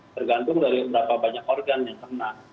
tergantung dari berapa banyak organ yang kena